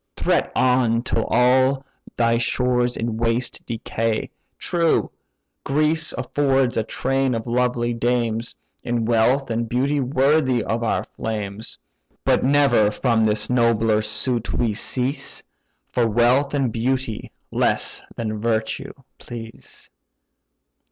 Threat on, till all thy stores in waste decay. True, Greece affords a train of lovely dames, In wealth and beauty worthy of our flames: But never from this nobler suit we cease; For wealth and beauty less than virtue please."